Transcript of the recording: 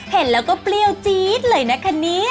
เห็นแล้วก็เปรี้ยวจี๊ดเลยนะคะเนี่ย